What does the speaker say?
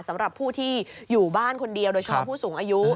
สำหรับผู้ที่อยู่บ้านคนเดียวโดยเฉพาะผู้สูงอายุ